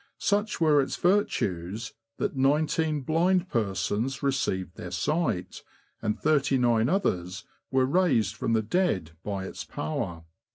Such were its virtues, that nineteen blind persons received their sight, and thirty nine others were raised from the dead by its power.